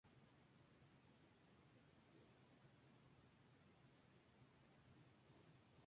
La rueda superior es plana, mientras que la inferior tiene una superficie redondeada.